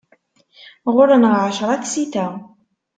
Ɣur-neɣ ɛecra tsita.